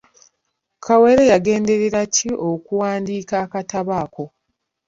Kawere yagenderera ki okuwandiika akatabo ako?